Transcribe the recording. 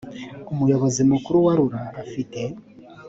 umuyobozi mukuru wa rura afite